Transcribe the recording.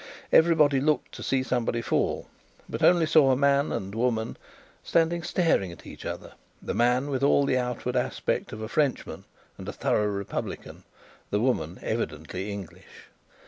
Everybody looked to see somebody fall, but only saw a man and a woman standing staring at each other; the man with all the outward aspect of a Frenchman and a thorough Republican; the woman, evidently English.